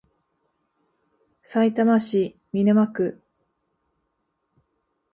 さいたま市見沼区